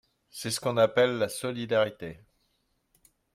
C’est ce qu’on appelle la solidarité.